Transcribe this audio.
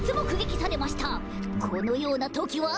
このようなときは。